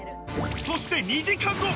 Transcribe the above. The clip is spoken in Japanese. そして２時間後。